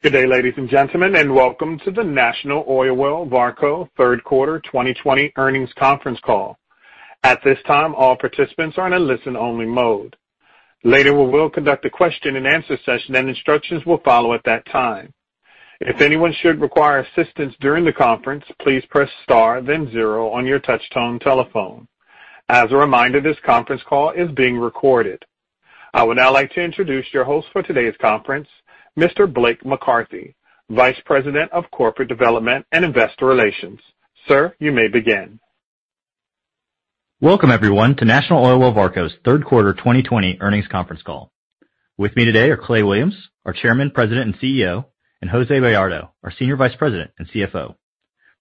Good day, ladies and gentlemen, and welcome to the National Oilwell Varco third quarter 2020 earnings conference call. At this time, all participants are in a listen-only mode. Later, we will conduct a question-and-answer session, and instructions will follow at that time. If anyone should require assistance during the conference, please press star then zero on your touchtone telephone. As a reminder, this conference call is being recorded. I would now like to introduce your host for today's conference, Mr. Blake McCarthy, Vice President of Corporate Development and Investor Relations. Sir, you may begin. Welcome, everyone, to National Oilwell Varco's third quarter 2020 earnings conference call. With me today are Clay Williams, our Chairman, President, and CEO, and Jose Bayardo, our Senior Vice President and CFO.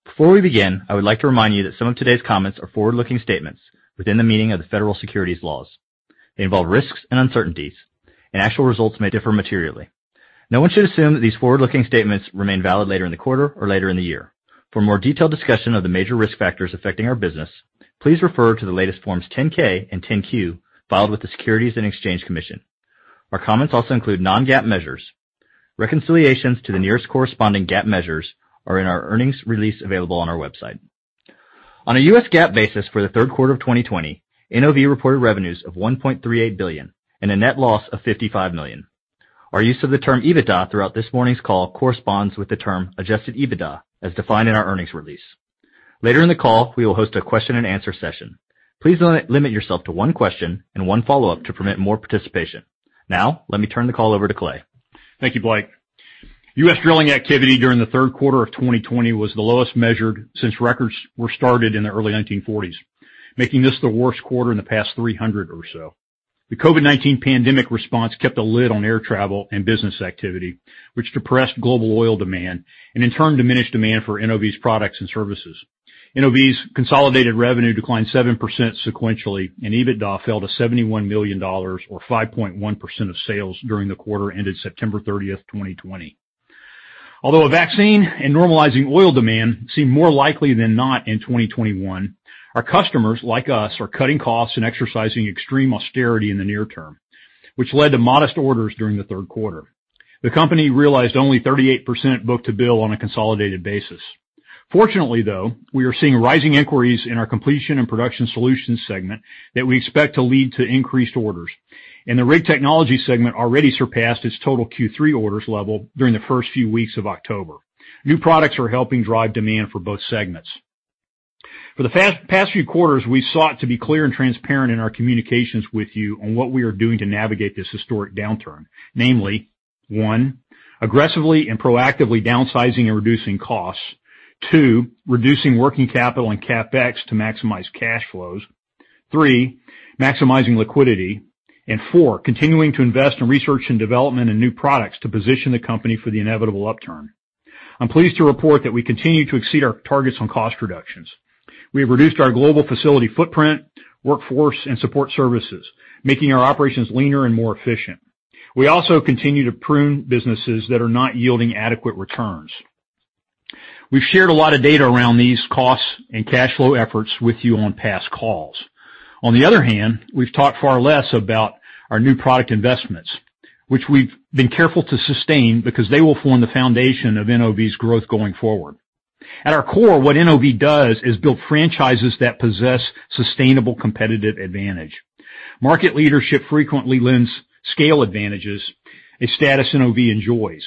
Before we begin, I would like to remind you that some of today's comments are forward-looking statements within the meaning of the federal securities laws. They involve risks and uncertainties, and actual results may differ materially. No one should assume that these forward-looking statements remain valid later in the quarter or later in the year. For a more detailed discussion of the major risk factors affecting our business, please refer to the latest Forms 10-K and 10-Q filed with the Securities and Exchange Commission. Our comments also include non-GAAP measures. Reconciliations to the nearest corresponding GAAP measures are in our earnings release available on our website. On a U.S. GAAP basis for the third quarter of 2020, NOV reported revenues of $1.38 billion and a net loss of $55 million. Our use of the term EBITDA throughout this morning's call corresponds with the term adjusted EBITDA as defined in our earnings release. Later in the call, we will host a question-and-answer session. Please limit yourself to one question and one follow-up to permit more participation. Now, let me turn the call over to Clay. Thank you, Blake. U.S. drilling activity during the third quarter of 2020 was the lowest measured since records were started in the early 1940s, making this the worst quarter in the past 300 or so. The COVID-19 pandemic response kept a lid on air travel and business activity, which depressed global oil demand and in turn diminished demand for NOV's products and services. NOV's consolidated revenue declined 7% sequentially, and EBITDA fell to $71 million, or 5.1% of sales during the quarter ended September 30th, 2020. Although a vaccine and normalizing oil demand seem more likely than not in 2021, our customers, like us, are cutting costs and exercising extreme austerity in the near term, which led to modest orders during the third quarter. The company realized only 38% book-to-bill on a consolidated basis. Fortunately, though, we are seeing rising inquiries in our Completion & Production Solutions segment that we expect to lead to increased orders. The Rig Technologies segment already surpassed its total Q3 orders level during the first few weeks of October. New products are helping drive demand for both segments. For the past few quarters, we sought to be clear and transparent in our communications with you on what we are doing to navigate this historic downturn, namely, 1, aggressively and proactively downsizing and reducing costs. 2, reducing working capital and CapEx to maximize cash flows. 3, maximizing liquidity. 4, continuing to invest in research and development and new products to position the company for the inevitable upturn. I'm pleased to report that we continue to exceed our targets on cost reductions. We have reduced our global facility footprint, workforce, and support services, making our operations leaner and more efficient. We also continue to prune businesses that are not yielding adequate returns. We've shared a lot of data around these costs and cash flow efforts with you on past calls. On the other hand, we've talked far less about our new product investments, which we've been careful to sustain because they will form the foundation of NOV's growth going forward. At our core, what NOV does is build franchises that possess sustainable competitive advantage. Market leadership frequently lends scale advantages, a status NOV enjoys.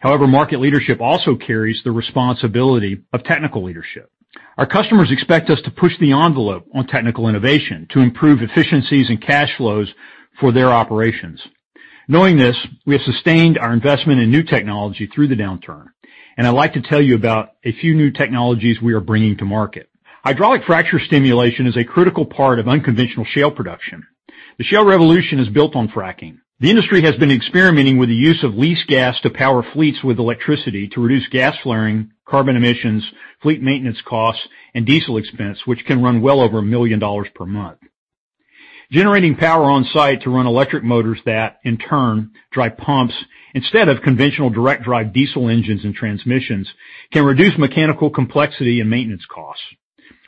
However, market leadership also carries the responsibility of technical leadership. Our customers expect us to push the envelope on technical innovation to improve efficiencies and cash flows for their operations. Knowing this, we have sustained our investment in new technology through the downturn. I'd like to tell you about a few new technologies we are bringing to market. Hydraulic fracture stimulation is a critical part of unconventional shale production. The shale revolution is built on fracking. The industry has been experimenting with the use of lease gas to power fleets with electricity to reduce gas flaring, carbon emissions, fleet maintenance costs, and diesel expense, which can run well over $1 million per month. Generating power on-site to run electric motors that, in turn, drive pumps instead of conventional direct-drive diesel engines and transmissions can reduce mechanical complexity and maintenance costs.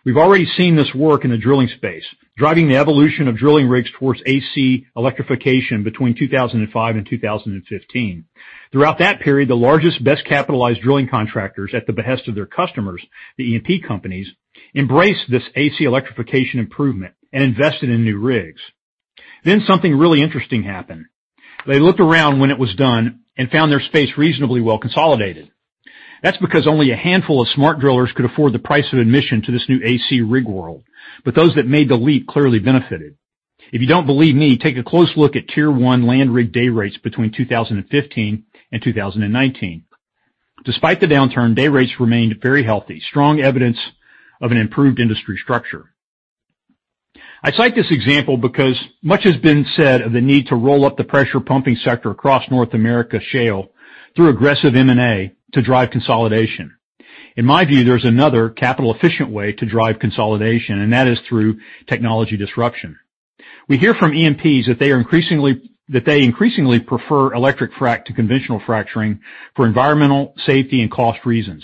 We've already seen this work in the drilling space, driving the evolution of drilling rigs towards AC electrification between 2005 and 2015. Throughout that period, the largest, best-capitalized drilling contractors at the behest of their customers, the E&P companies, embraced this AC electrification improvement and invested in new rigs. Something really interesting happened. They looked around when it was done and found their space reasonably well consolidated. That's because only a handful of smart drillers could afford the price of admission to this new AC rig world, but those that made the leap clearly benefited. If you don't believe me, take a close look at tier 1 land rig day rates between 2015 and 2019. Despite the downturn, day rates remained very healthy, strong evidence of an improved industry structure. I cite this example because much has been said of the need to roll up the pressure pumping sector across North America shale through aggressive M&A to drive consolidation. In my view, there's another capital-efficient way to drive consolidation, that is through technology disruption. We hear from E&Ps that they increasingly prefer electric frac to conventional fracturing for environmental, safety, and cost reasons.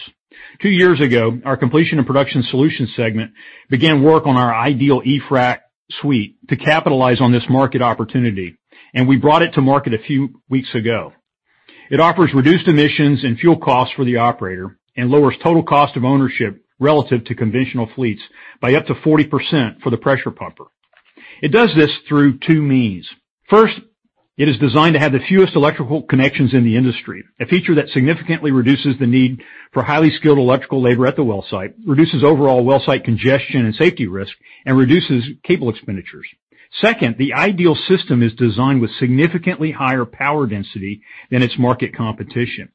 Two years ago, our Completion & Production Solutions segment began work on our Ideal eFrac suite to capitalize on this market opportunity, and we brought it to market a few weeks ago. It offers reduced emissions and fuel costs for the operator and lowers total cost of ownership relative to conventional fleets by up to 40% for the pressure pumper. It does this through two means. First, it is designed to have the fewest electrical connections in the industry, a feature that significantly reduces the need for highly skilled electrical labor at the wellsite, reduces overall wellsite congestion and safety risk, and reduces cable expenditures. Second, the Ideal system is designed with significantly higher power density than its market competition.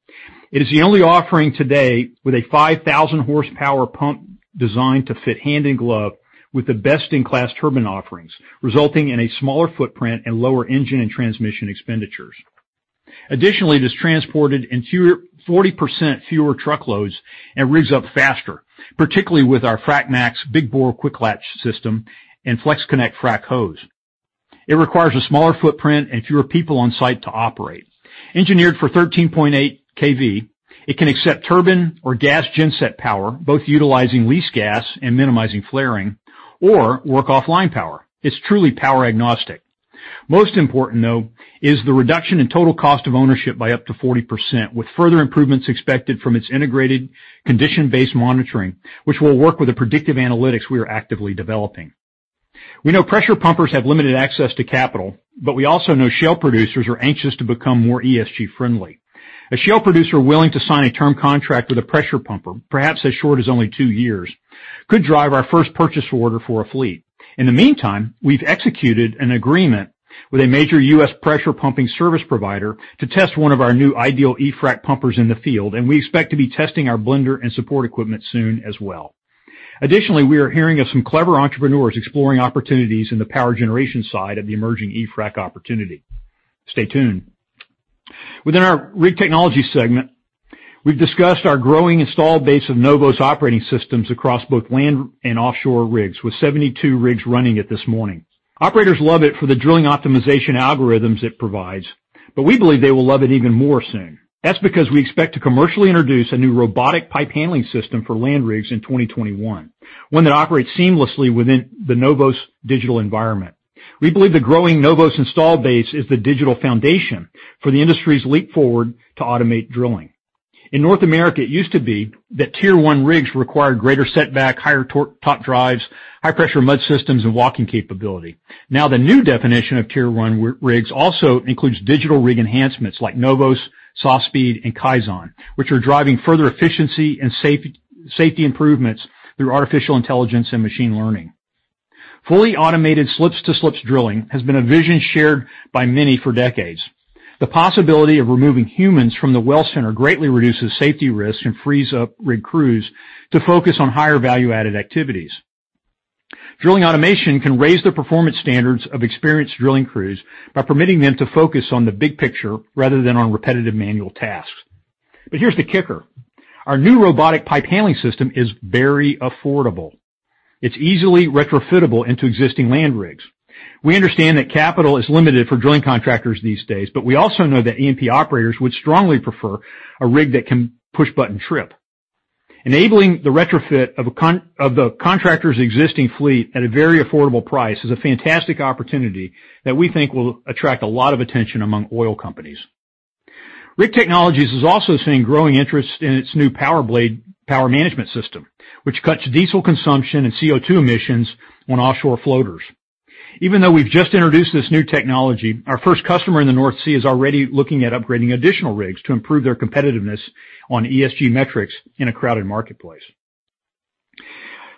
It is the only offering today with a 5,000 horsepower pump designed to fit hand in glove with the best-in-class turbine offerings, resulting in a smaller footprint and lower engine and transmission expenditures. Additionally, it is transported in 40% fewer truckloads and rigs up faster, particularly with our FracMaxx big bore quick latch system and FlexConnect frac hose. It requires a smaller footprint and fewer people on site to operate. Engineered for 13.8 kV, it can accept turbine or gas genset power, both utilizing lease gas and minimizing flaring, or work offline power. It's truly power-agnostic. Most important, though, is the reduction in total cost of ownership by up to 40%, with further improvements expected from its integrated condition-based monitoring, which will work with the predictive analytics we are actively developing. We know pressure pumpers have limited access to capital, but we also know shale producers are anxious to become more ESG-friendly. A shale producer willing to sign a term contract with a pressure pumper, perhaps as short as only two years, could drive our first purchase order for a fleet. In the meantime, we've executed an agreement with a major U.S. pressure pumping service provider to test one of our new Ideal eFrac pumpers in the field, and we expect to be testing our blender and support equipment soon as well. Additionally, we are hearing of some clever entrepreneurs exploring opportunities in the power generation side of the emerging eFrac opportunity. Stay tuned. Within our Rig Technologies segment, we've discussed our growing installed base of NOVOS operating systems across both land and offshore rigs, with 72 rigs running it this morning. Operators love it for the drilling optimization algorithms it provides, but we believe they will love it even more soon. That's because we expect to commercially introduce a new robotic pipe handling system for land rigs in 2021, one that operates seamlessly within the NOVOS digital environment. We believe the growing NOVOS install base is the digital foundation for the industry's leap forward to automate drilling. In North America, it used to be that tier 1 rigs required greater setback, higher torque top drives, high-pressure mud systems, and walking capability. Now, the new definition of tier 1 rigs also includes digital rig enhancements like NOVOS, SoftSpeed, and KAIZEN, which are driving further efficiency and safety improvements through artificial intelligence and machine learning. Fully automated slips to slips drilling has been a vision shared by many for decades. The possibility of removing humans from the well center greatly reduces safety risk and frees up rig crews to focus on higher value-added activities. Drilling automation can raise the performance standards of experienced drilling crews by permitting them to focus on the big picture rather than on repetitive manual tasks. Here's the kicker. Our new robotic pipe handling system is very affordable. It's easily retrofittable into existing land rigs. We understand that capital is limited for drilling contractors these days, but we also know that E&P operators would strongly prefer a rig that can push button trip. Enabling the retrofit of the contractor's existing fleet at a very affordable price is a fantastic opportunity that we think will attract a lot of attention among oil companies. Rig Technologies is also seeing growing interest in its new PowerBlade power management system, which cuts diesel consumption and CO2 emissions on offshore floaters. Even though we've just introduced this new technology, our first customer in the North Sea is already looking at upgrading additional rigs to improve their competitiveness on ESG metrics in a crowded marketplace.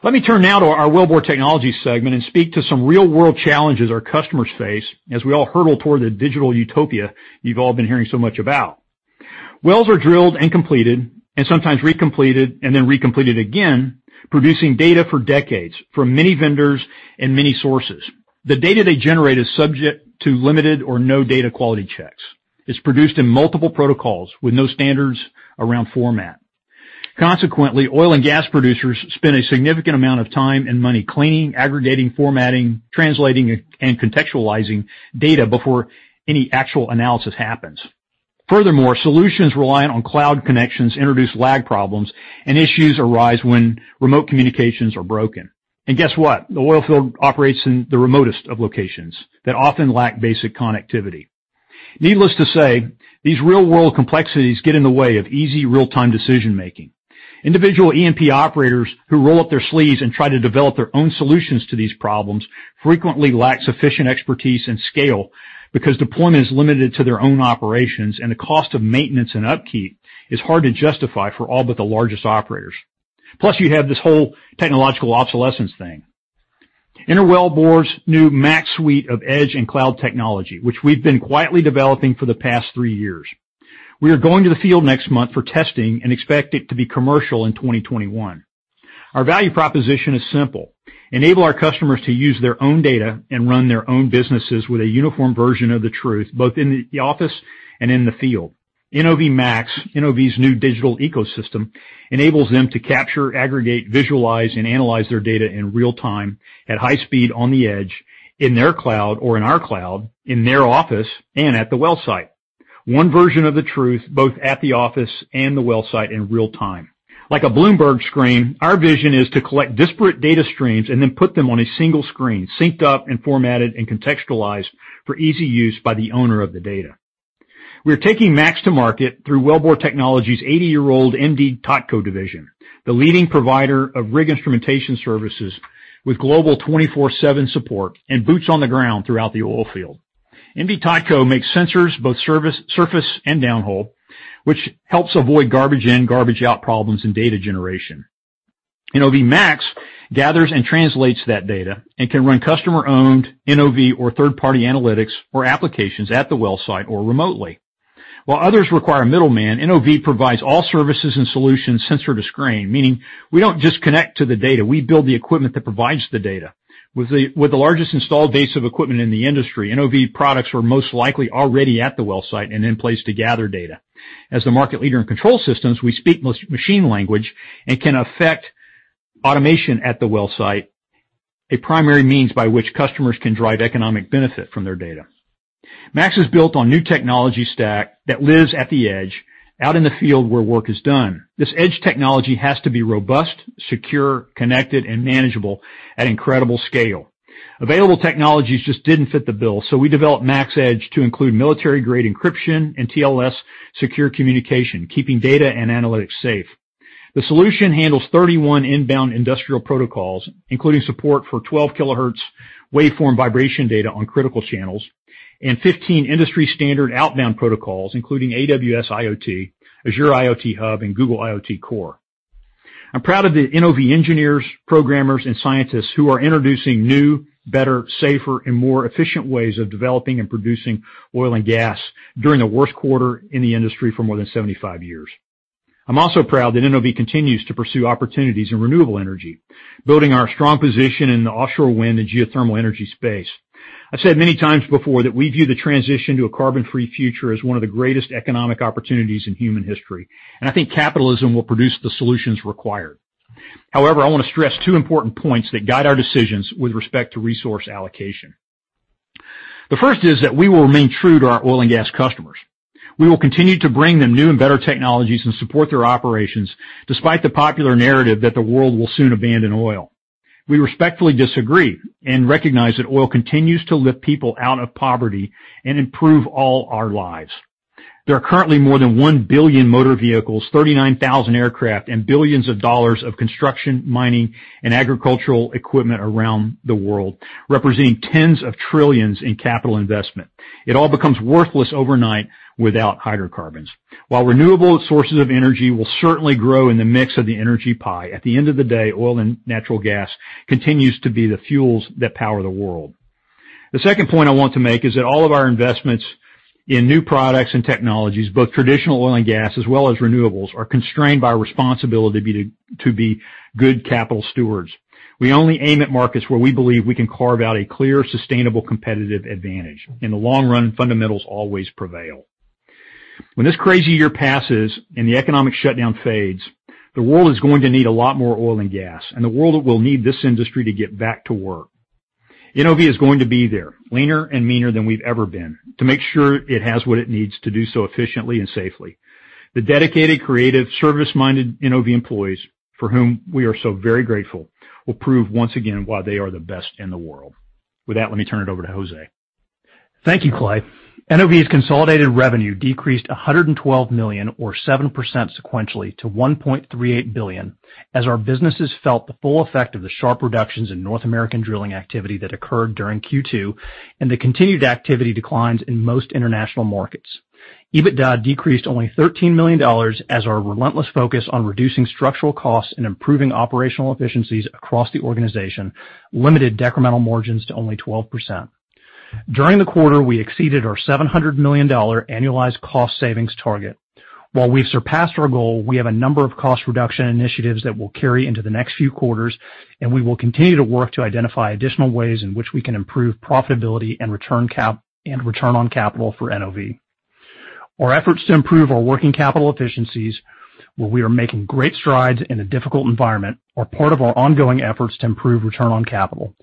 Let me turn now to our Wellbore Technologies segment and speak to some real-world challenges our customers face as we all hurdle toward the digital utopia you've all been hearing so much about. Wells are drilled and completed, and sometimes recompleted, and then recompleted again, producing data for decades from many vendors and many sources. The data they generate is subject to limited or no data quality checks, is produced in multiple protocols with no standards around format. Consequently, oil and gas producers spend a significant amount of time and money cleaning, aggregating, formatting, translating, and contextualizing data before any actual analysis happens. Furthermore, solutions reliant on cloud connections introduce lag problems, and issues arise when remote communications are broken. Guess what? The oil field operates in the remotest of locations that often lack basic connectivity. Needless to say, these real-world complexities get in the way of easy real-time decision-making. Individual E&P operators who roll up their sleeves and try to develop their own solutions to these problems frequently lack sufficient expertise and scale because deployment is limited to their own operations, and the cost of maintenance and upkeep is hard to justify for all but the largest operators. Plus, you have this whole technological obsolescence thing. Enter Wellbore Technologies' new Max suite of edge and cloud technology, which we've been quietly developing for the past three years. We are going to the field next month for testing and expect it to be commercial in 2021. Our value proposition is simple: enable our customers to use their own data and run their own businesses with a uniform version of the truth, both in the office and in the field. NOV Max, NOV's new digital ecosystem, enables them to capture, aggregate, visualize, and analyze their data in real time at high speed on the edge, in their cloud or in our cloud, in their office, and at the well site. One version of the truth, both at the office and the well site in real time. Like a Bloomberg screen, our vision is to collect disparate data streams and then put them on a single screen, synced up and formatted and contextualized for easy use by the owner of the data. We're taking Max to market through Wellbore Technologies 80-year-old M/D Totco division, the leading provider of rig instrumentation services with global 24/7 support and boots on the ground throughout the oil field. M/D Totco makes sensors, both surface and down hole, which helps avoid garbage in, garbage out problems in data generation. NOV Max gathers and translates that data and can run customer-owned NOV or third-party analytics or applications at the well site or remotely. While others require a middleman, NOV provides all services and solutions sensor to screen, meaning we don't just connect to the data, we build the equipment that provides the data. With the largest installed base of equipment in the industry, NOV products are most likely already at the well site and in place to gather data. As the market leader in control systems, we speak machine language and can affect automation at the well site, a primary means by which customers can drive economic benefit from their data. Max is built on new technology stack that lives at the edge, out in the field where work is done. This edge technology has to be robust, secure, connected, and manageable at incredible scale. Available technologies just didn't fit the bill, so we developed Max Edge to include military-grade encryption and TLS secure communication, keeping data and analytics safe. The solution handles 31 inbound industrial protocols, including support for 12 kHz waveform vibration data on critical channels and 15 industry-standard outbound protocols, including AWS IoT, Azure IoT Hub, and Google IoT Core. I'm proud of the NOV engineers, programmers, and scientists who are introducing new, better, safer, and more efficient ways of developing and producing oil and gas during the worst quarter in the industry for more than 75 years. I'm also proud that NOV continues to pursue opportunities in renewable energy, building our strong position in the offshore wind and geothermal energy space. I think capitalism will produce the solutions required. However, I want to stress two important points that guide our decisions with respect to resource allocation. The first is that we will remain true to our oil and gas customers. We will continue to bring them new and better technologies and support their operations despite the popular narrative that the world will soon abandon oil. We respectfully disagree and recognize that oil continues to lift people out of poverty and improve all our lives. There are currently more than one billion motor vehicles, 39,000 aircraft, and billions of dollars of construction, mining, and agricultural equipment around the world, representing tens of trillions in capital investment. It all becomes worthless overnight without hydrocarbons. While renewable sources of energy will certainly grow in the mix of the energy pie, at the end of the day, oil and natural gas continues to be the fuels that power the world. The second point I want to make is that all of our investments in new products and technologies, both traditional oil and gas as well as renewables, are constrained by our responsibility to be good capital stewards. We only aim at markets where we believe we can carve out a clear, sustainable competitive advantage. In the long run, fundamentals always prevail. When this crazy year passes and the economic shutdown fades, the world is going to need a lot more oil and gas, and the world will need this industry to get back to work. NOV is going to be there, leaner and meaner than we've ever been, to make sure it has what it needs to do so efficiently and safely. The dedicated, creative, service-minded NOV employees, for whom we are so very grateful, will prove once again why they are the best in the world. With that, let me turn it over to Jose. Thank you, Clay. NOV's consolidated revenue decreased $112 million or 7% sequentially to $1.38 billion as our businesses felt the full effect of the sharp reductions in North American drilling activity that occurred during Q2 and the continued activity declines in most international markets. EBITDA decreased only $13 million as our relentless focus on reducing structural costs and improving operational efficiencies across the organization limited decremental margins to only 12%. During the quarter, we exceeded our $700 million annualized cost savings target. While we've surpassed our goal, we have a number of cost reduction initiatives that will carry into the next few quarters. We will continue to work to identify additional ways in which we can improve profitability and return on capital for NOV. Our efforts to improve our working capital efficiencies, where we are making great strides in a difficult environment, are part of our ongoing efforts to improve return on capital.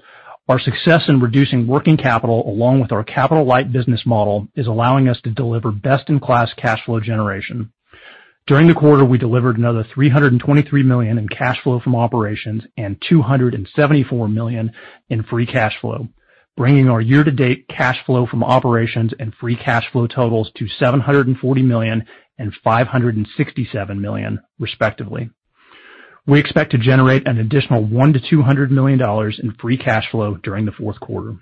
Our success in reducing working capital, along with our capital-light business model, is allowing us to deliver best-in-class cash flow generation. During the quarter, we delivered another $323 million in cash flow from operations and $274 million in free cash flow, bringing our year-to-date cash flow from operations and free cash flow totals to $740 million and $567 million, respectively. We expect to generate an additional $1 million-$200 million in free cash flow during the fourth quarter.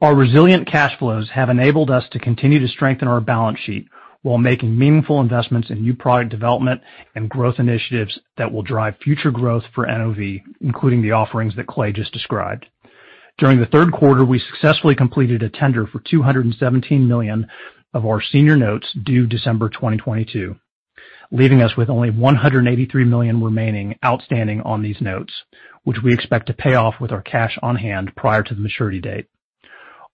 Our resilient cash flows have enabled us to continue to strengthen our balance sheet while making meaningful investments in new product development and growth initiatives that will drive future growth for NOV, including the offerings that Clay just described. During the third quarter, we successfully completed a tender for $217 million of our senior notes due December 2022, leaving us with only $183 million remaining outstanding on these notes, which we expect to pay off with our cash on hand prior to the maturity date.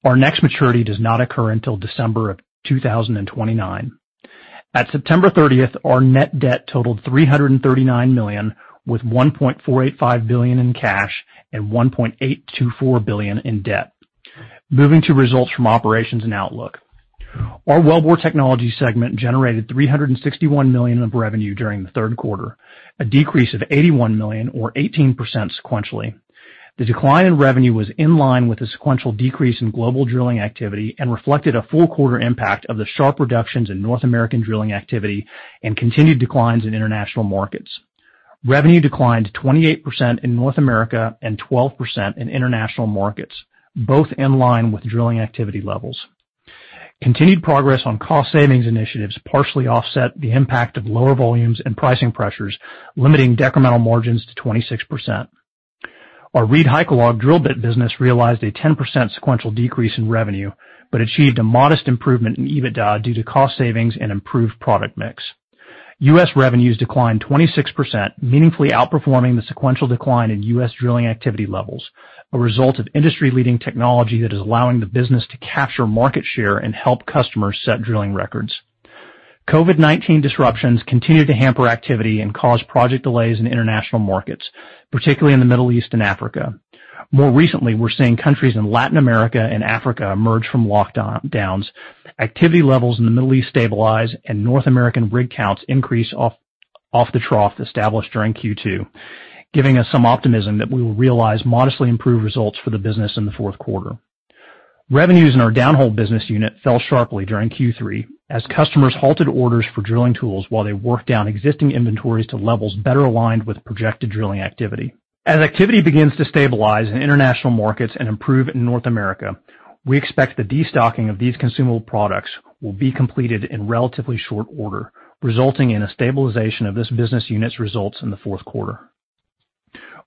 Our next maturity does not occur until December 2029. At September 30th, our net debt totaled $339 million, with $1.485 billion in cash and $1.824 billion in debt. Moving to results from operations and outlook. Our Wellbore Technologies segment generated $361 million of revenue during the third quarter, a decrease of $81 million or 18% sequentially. The decline in revenue was in line with the sequential decrease in global drilling activity and reflected a full quarter impact of the sharp reductions in North American drilling activity and continued declines in international markets. Revenue declined 28% in North America and 12% in international markets, both in line with drilling activity levels. Continued progress on cost savings initiatives partially offset the impact of lower volumes and pricing pressures, limiting decremental margins to 26%. Our ReedHycalog drill bit business realized a 10% sequential decrease in revenue but achieved a modest improvement in EBITDA due to cost savings and improved product mix. U.S. revenues declined 26%, meaningfully outperforming the sequential decline in U.S. drilling activity levels, a result of industry-leading technology that is allowing the business to capture market share and help customers set drilling records. COVID-19 disruptions continued to hamper activity and caused project delays in international markets, particularly in the Middle East and Africa. More recently, we're seeing countries in Latin America and Africa emerge from lockdowns, activity levels in the Middle East stabilize, and North American rig counts increase off the trough established during Q2, giving us some optimism that we will realize modestly improved results for the business in the fourth quarter. Revenues in our downhole business unit fell sharply during Q3 as customers halted orders for drilling tools while they worked down existing inventories to levels better aligned with projected drilling activity. As activity begins to stabilize in international markets and improve in North America, we expect the destocking of these consumable products will be completed in relatively short order, resulting in a stabilization of this business unit's results in the fourth quarter.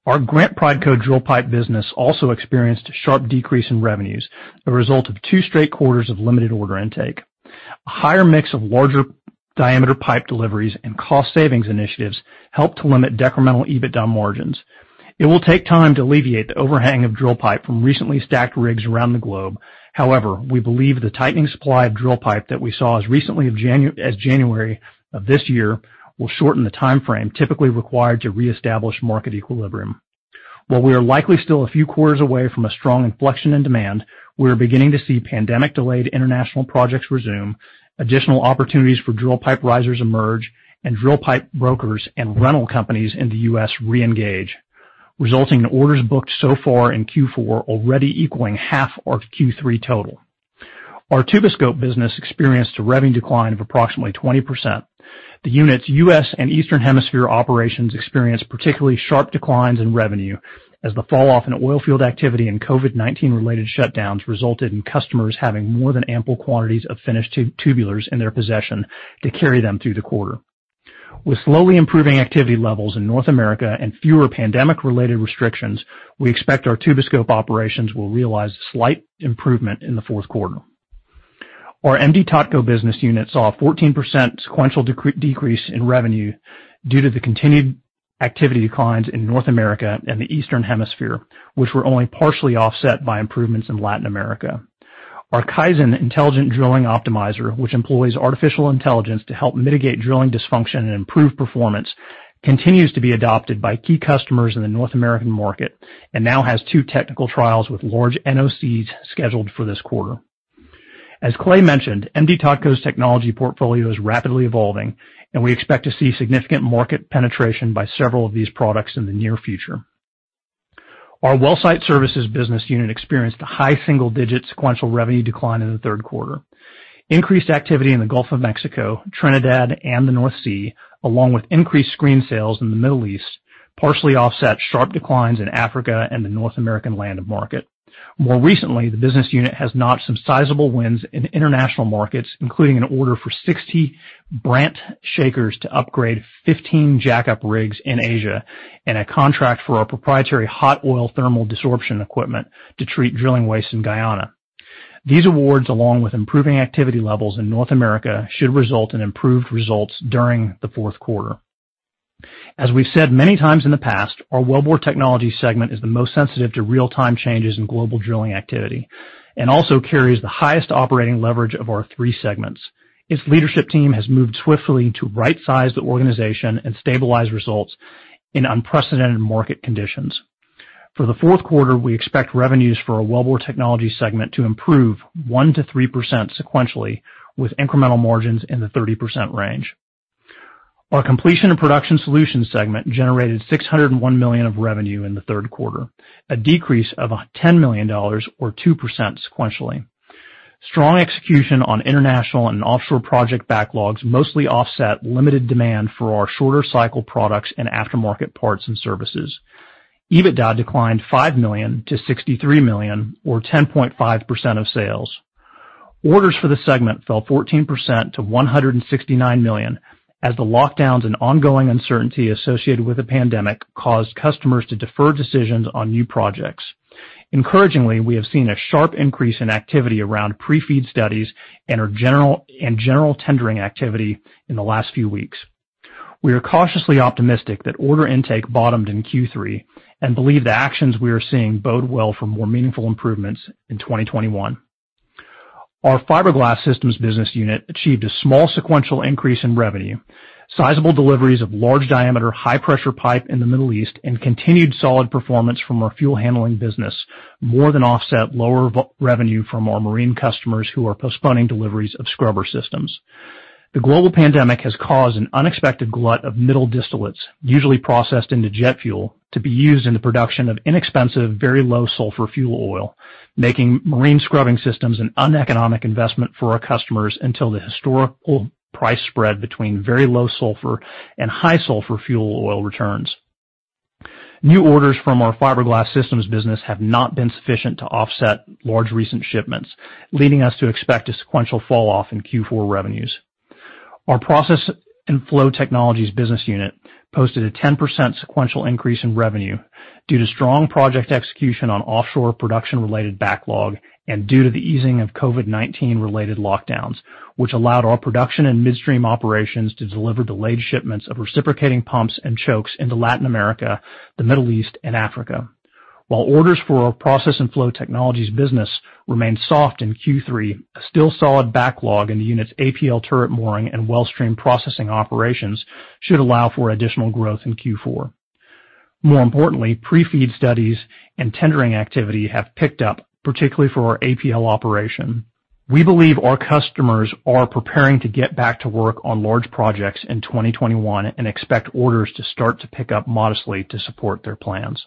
Our Grant Prideco drill pipe business also experienced a sharp decrease in revenues, a result of two straight quarters of limited order intake. A higher mix of larger diameter pipe deliveries and cost savings initiatives helped to limit decremental EBITDA margins. It will take time to alleviate the overhang of drill pipe from recently stacked rigs around the globe. However, we believe the tightening supply of drill pipe that we saw as recently as January of this year will shorten the timeframe typically required to reestablish market equilibrium. While we are likely still a few quarters away from a strong inflection in demand, we are beginning to see pandemic-delayed international projects resume, additional opportunities for drill pipe risers emerge, and drill pipe brokers and rental companies in the U.S. reengage, resulting in orders booked so far in Q4 already equaling half our Q3 total. Our Tuboscope business experienced a revenue decline of approximately 20%. The unit's U.S. and Eastern Hemisphere operations experienced particularly sharp declines in revenue as the falloff in oil field activity and COVID-19-related shutdowns resulted in customers having more than ample quantities of finished tubulars in their possession to carry them through the quarter. With slowly improving activity levels in North America and fewer pandemic-related restrictions, we expect our Tuboscope operations will realize a slight improvement in the fourth quarter. Our M/D Totco business unit saw a 14% sequential decrease in revenue due to the continued activity declines in North America and the Eastern Hemisphere, which were only partially offset by improvements in Latin America. Our KAIZEN intelligent drilling optimizer, which employs artificial intelligence to help mitigate drilling dysfunction and improve performance, continues to be adopted by key customers in the North American market and now has two technical trials with large NOCs scheduled for this quarter. As Clay mentioned, M/D Totco's technology portfolio is rapidly evolving, and we expect to see significant market penetration by several of these products in the near future. Our WellSite Services business unit experienced a high single-digit sequential revenue decline in the third quarter. Increased activity in the Gulf of Mexico, Trinidad, and the North Sea, along with increased screen sales in the Middle East, partially offset sharp declines in Africa and the North American land market. More recently, the business unit has notched some sizable wins in international markets, including an order for 60 Brandt shakers to upgrade 15 jackup rigs in Asia and a contract for our proprietary hot oil thermal disruption equipment to treat drilling waste in Guyana. These awards, along with improving activity levels in North America, should result in improved results during the fourth quarter. As we've said many times in the past, our Wellbore Technologies segment is the most sensitive to real-time changes in global drilling activity and also carries the highest operating leverage of our three segments. Its leadership team has moved swiftly to rightsize the organization and stabilize results in unprecedented market conditions. For the fourth quarter, we expect revenues for our Wellbore Technologies segment to improve 1%-3% sequentially, with incremental margins in the 30% range. Our Completion & Production Solutions segment generated $601 million of revenue in the third quarter, a decrease of $10 million or 2% sequentially. Strong execution on international and offshore project backlogs mostly offset limited demand for our shorter cycle products and aftermarket parts and services. EBITDA declined $5 million to $63 million or 10.5% of sales. Orders for the segment fell 14% to $169 million as the lockdowns and ongoing uncertainty associated with the pandemic caused customers to defer decisions on new projects. Encouragingly, we have seen a sharp increase in activity around pre-FEED studies and general tendering activity in the last few weeks. We are cautiously optimistic that order intake bottomed in Q3, and believe the actions we are seeing bode well for more meaningful improvements in 2021. Our Fiber Glass Systems business unit achieved a small sequential increase in revenue. Sizable deliveries of large diameter, high-pressure pipe in the Middle East, and continued solid performance from our fuel handling business more than offset lower revenue from our marine customers who are postponing deliveries of scrubber systems. The global pandemic has caused an unexpected glut of middle distillates, usually processed into jet fuel, to be used in the production of inexpensive, very low sulfur fuel oil, making marine scrubbing systems an uneconomic investment for our customers until the historical price spread between very low sulfur and high sulfur fuel oil returns. New orders from our Fiber Glass Systems business have not been sufficient to offset large recent shipments, leading us to expect a sequential fall off in Q4 revenues. Our Process and Flow Technologies business unit posted a 10% sequential increase in revenue due to strong project execution on offshore production-related backlog, and due to the easing of COVID-19 related lockdowns, which allowed our production and midstream operations to deliver delayed shipments of reciprocating pumps and chokes into Latin America, the Middle East, and Africa. While orders for our Process and Flow Technologies business remained soft in Q3, a still solid backlog in the unit's APL turret mooring and well stream processing operations should allow for additional growth in Q4. Importantly, pre-FEED studies and tendering activity have picked up, particularly for our APL operation. We believe our customers are preparing to get back to work on large projects in 2021, expect orders to start to pick up modestly to support their plans.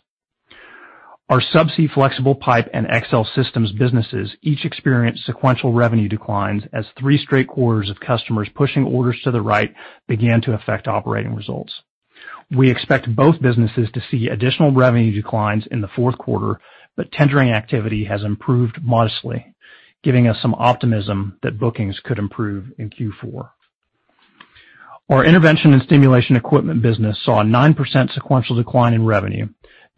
Our Subsea Flexible Pipe and XL Systems businesses each experienced sequential revenue declines as three straight quarters of customers pushing orders to the right began to affect operating results. We expect both businesses to see additional revenue declines in the fourth quarter, tendering activity has improved modestly, giving us some optimism that bookings could improve in Q4. Our Intervention and Stimulation Equipment business saw a 9% sequential decline in revenue.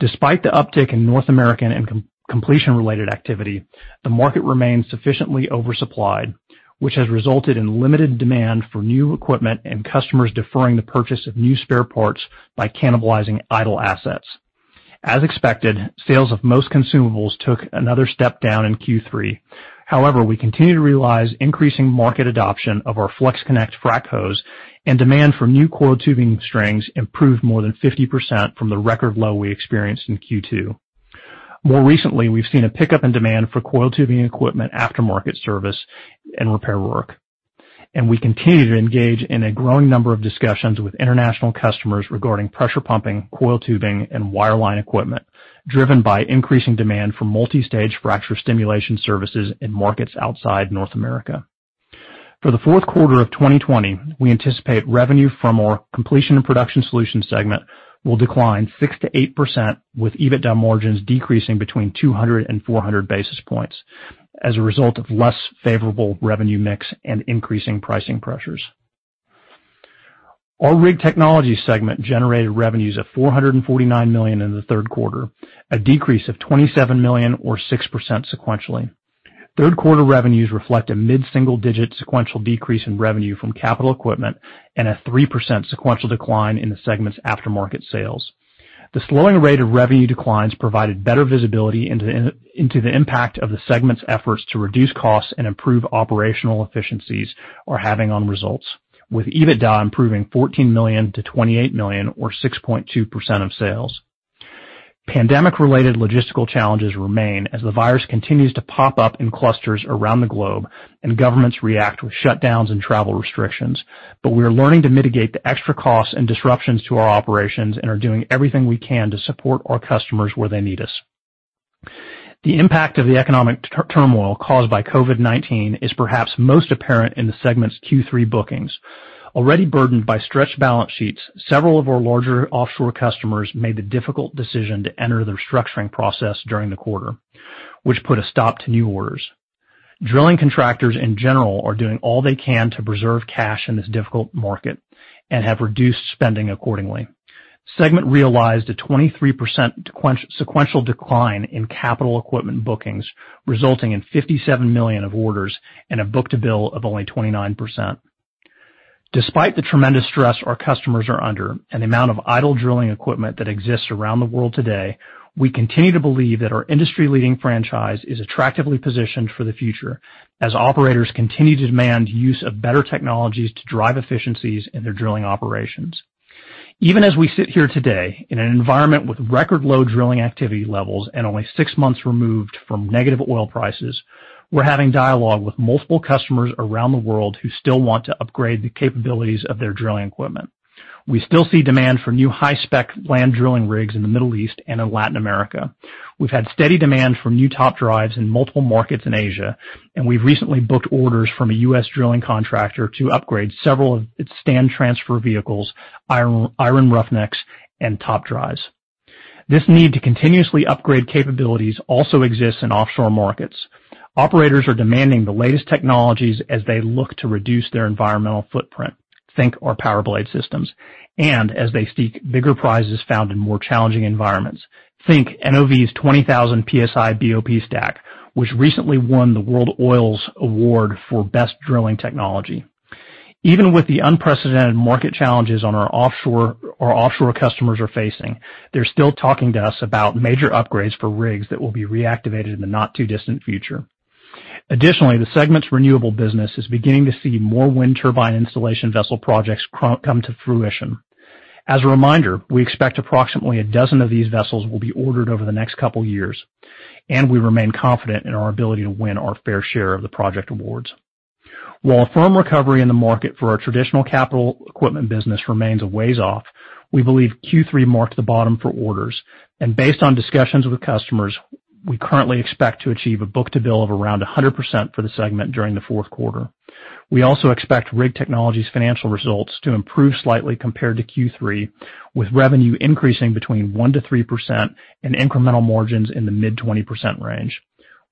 Despite the uptick in North American and completion-related activity, the market remains sufficiently oversupplied, which has resulted in limited demand for new equipment and customers deferring the purchase of new spare parts by cannibalizing idle assets. As expected, sales of most consumables took another step down in Q3. However, we continue to realize increasing market adoption of our FlexConnect frac hose and demand for new coiled tubing strings improved more than 50% from the record low we experienced in Q2. Recently, we've seen a pickup in demand for coiled tubing equipment after-market service and repair work. We continue to engage in a growing number of discussions with international customers regarding pressure pumping, coiled tubing, and wireline equipment, driven by increasing demand for multi-stage fracture stimulation services in markets outside North America. For the fourth quarter of 2020, we anticipate revenue from our Completion and Production Solutions segment will decline 6%-8%, with EBITDA margins decreasing between 200 and 400 basis points as a result of less favorable revenue mix and increasing pricing pressures. Our Rig Technologies segment generated revenues of $449 million in the third quarter, a decrease of $27 million or 6% sequentially. Third quarter revenues reflect a mid-single-digit sequential decrease in revenue from capital equipment and a 3% sequential decline in the segment's aftermarket sales. The slowing rate of revenue declines provided better visibility into the impact of the segment's efforts to reduce costs and improve operational efficiencies are having on results, with EBITDA improving $14 million to $28 million or 6.2% of sales. Pandemic-related logistical challenges remain as the virus continues to pop up in clusters around the globe and governments react with shutdowns and travel restrictions. We are learning to mitigate the extra costs and disruptions to our operations and are doing everything we can to support our customers where they need us. The impact of the economic turmoil caused by COVID-19 is perhaps most apparent in the segment's Q3 bookings. Already burdened by stretched balance sheets, several of our larger offshore customers made the difficult decision to enter the restructuring process during the quarter, which put a stop to new orders. Drilling contractors in general are doing all they can to preserve cash in this difficult market and have reduced spending accordingly. Segment realized a 23% sequential decline in capital equipment bookings, resulting in $57 million of orders and a book-to-bill of only 29%. Despite the tremendous stress our customers are under and the amount of idle drilling equipment that exists around the world today, we continue to believe that our industry-leading franchise is attractively positioned for the future as operators continue to demand use of better technologies to drive efficiencies in their drilling operations. Even as we sit here today in an environment with record low drilling activity levels and only six months removed from negative oil prices, we are having dialogue with multiple customers around the world who still want to upgrade the capabilities of their drilling equipment. We still see demand for new high-spec land drilling rigs in the Middle East and in Latin America. We have had steady demand for new top drives in multiple markets in Asia, and we have recently booked orders from a U.S. drilling contractor to upgrade several of its stand transfer vehicles, iron roughnecks, and top drives. This need to continuously upgrade capabilities also exists in offshore markets. Operators are demanding the latest technologies as they look to reduce their environmental footprint. Think our PowerBlade systems. As they seek bigger prizes found in more challenging environments. Think NOV's 20,000 psi BOP stack, which recently won the World Oil's Award for best drilling technology. Even with the unprecedented market challenges our offshore customers are facing, they are still talking to us about major upgrades for rigs that will be reactivated in the not-too-distant future. Additionally, the segment's renewable business is beginning to see more wind turbine installation vessel projects come to fruition. As a reminder, we expect approximately a dozen of these vessels will be ordered over the next couple of years, and we remain confident in our ability to win our fair share of the project awards. While a firm recovery in the market for our traditional capital equipment business remains a ways off, we believe Q3 marked the bottom for orders. Based on discussions with customers, we currently expect to achieve a book-to-bill of around 100% for the segment during the fourth quarter. We also expect Rig Technologies' financial results to improve slightly compared to Q3, with revenue increasing between 1%-3% and incremental margins in the mid-20% range.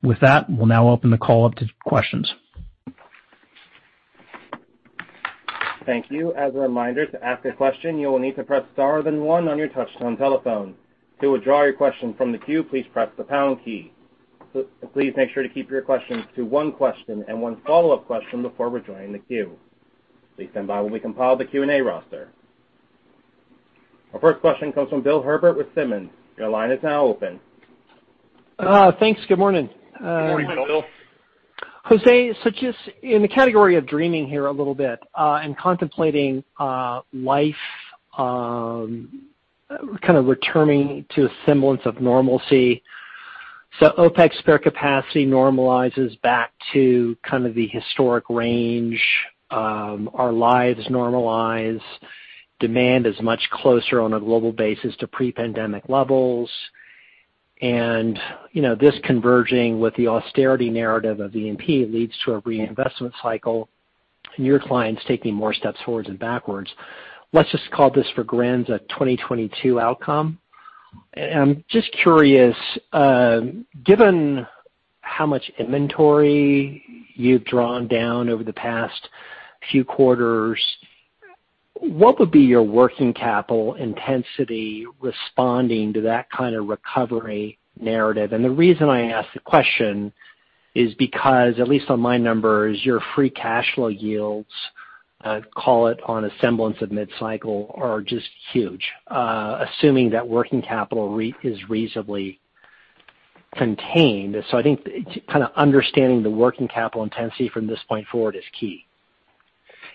With that, we will now open the call up to questions. Thank you. As a reminder, to ask a question, you will need to press star then one on your touchtone telephone. To withdraw your question from the queue, please press the pound key. Please make sure to keep your questions to one question and one follow-up question before rejoining the queue. Please stand by while we compile the Q&A roster. Our first question comes from Bill Herbert with Simmons. Your line is now open. Thanks. Good morning. Good morning, Bill. Jose, just in the category of dreaming here a little bit, contemplating life, kind of returning to a semblance of normalcy. OPEC spare capacity normalizes back to kind of the historic range. Our lives normalize. Demand is much closer on a global basis to pre-pandemic levels. This converging with the austerity narrative of E&P leads to a reinvestment cycle and your clients taking more steps forwards and backwards. Let's just call this for grants a 2022 outcome. I'm just curious, given how much inventory you've drawn down over the past few quarters, what would be your working capital intensity responding to that kind of recovery narrative? The reason I ask the question is because, at least on my numbers, your free cash flow yields, call it on a semblance of mid-cycle, are just huge, assuming that working capital is reasonably contained. I think kind of understanding the working capital intensity from this point forward is key.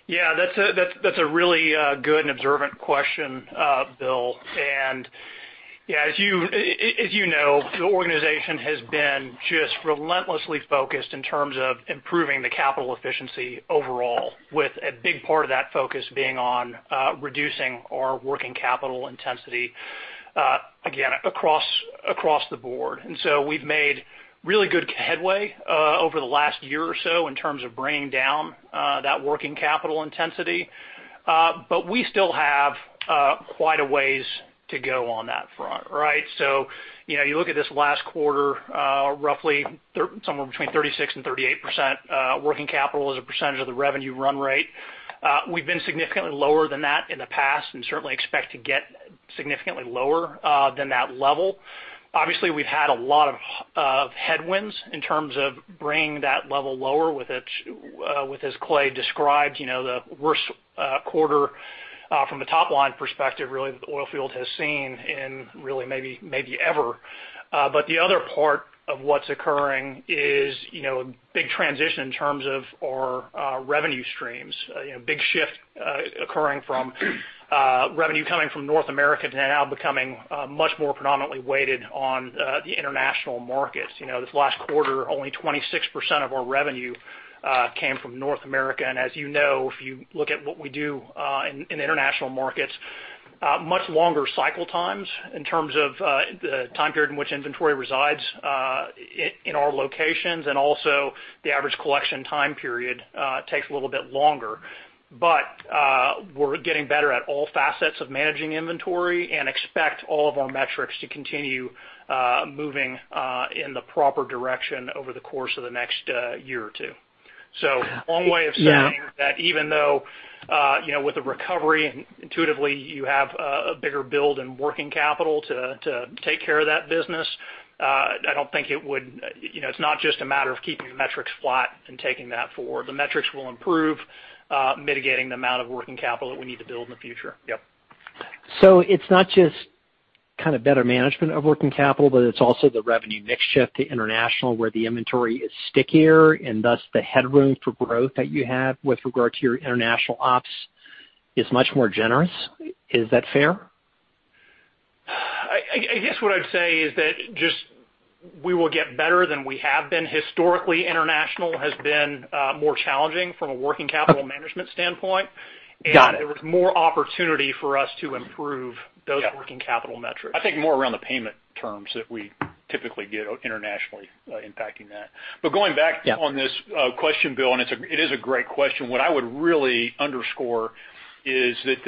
Yeah, that's a really good and observant question, Bill. Yeah, as you know, the organization has been just relentlessly focused in terms of improving the capital efficiency overall, with a big part of that focus being on reducing our working capital intensity, again, across the board. We've made really good headway over the last year or so in terms of bringing down that working capital intensity. We still have quite a ways to go on that front, right? You look at this last quarter, roughly somewhere between 36%-38% working capital as a percentage of the revenue run rate. We've been significantly lower than that in the past and certainly expect to get significantly lower than that level. Obviously, we've had a lot of headwinds in terms of bringing that level lower with, as Clay described, the worst quarter from a top-line perspective, really, that the oilfield has seen in really maybe ever. The other part of what's occurring is a big transition in terms of our revenue streams. A big shift occurring from revenue coming from North America to now becoming much more predominantly weighted on the international markets. This last quarter, only 26% of our revenue came from North America, and as you know, if you look at what we do in international markets, much longer cycle times in terms of the time period in which inventory resides in our locations and also the average collection time period takes a little bit longer. We're getting better at all facets of managing inventory and expect all of our metrics to continue moving in the proper direction over the course of the next year or two. Long way of saying that even though with the recovery, intuitively you have a bigger build in working capital to take care of that business. I don't think it's not just a matter of keeping the metrics flat and taking that forward. The metrics will improve, mitigating the amount of working capital that we need to build in the future. Yep. It's not just kind of better management of working capital, but it's also the revenue mix shift to international, where the inventory is stickier and thus the headroom for growth that you have with regard to your international ops is much more generous. Is that fair? I guess what I'd say is that just we will get better than we have been. Historically, international has been more challenging from a working capital management standpoint. Got it. There was more opportunity for us to improve those working capital metrics. I think more around the payment terms that we typically get internationally impacting that. Going back on this question, Bill, and it is a great question. What I would really underscore is that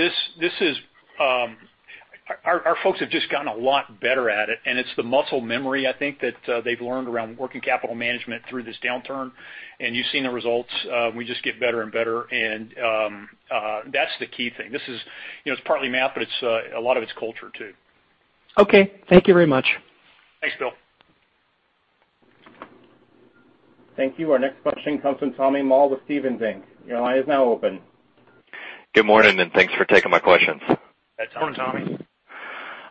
our folks have just gotten a lot better at it, and it's the muscle memory, I think, that they've learned around working capital management through this downturn. You've seen the results. We just get better and better, and that's the key thing. It's partly math, but a lot of it's culture, too. Okay. Thank you very much. Thank you. Our next question comes from Tommy Moll with Stephens Inc. Your line is now open. Good morning, thanks for taking my questions. Good morning, Tommy.